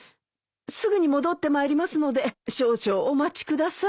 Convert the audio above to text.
すぐに戻ってまいりますので少々お待ちください。